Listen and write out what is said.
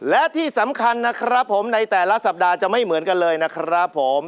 และที่สำคัญนะครับผมในแต่ละสัปดาห์จะไม่เหมือนกันเลยนะครับผม